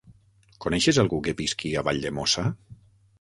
Coneixes algú que visqui a Valldemossa?